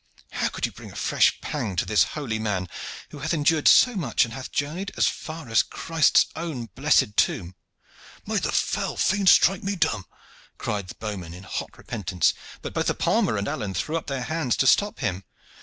How could you bring a fresh pang to this holy man, who hath endured so much and hath journeyed as far as Christ's own blessed tomb?" "May the foul fiend strike me dumb!" cried the bowman in hot repentance; but both the palmer and Alleyne threw up their hands to stop him.